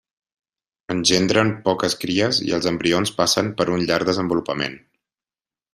Engendren poques cries i els embrions passen per un llarg desenvolupament.